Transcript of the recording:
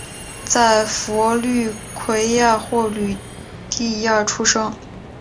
在佛律癸亚或吕底亚出生。